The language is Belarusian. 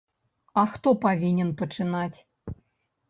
А хто павінен пачынаць?